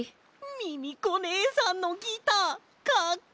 ミミコねえさんのギターかっこいい！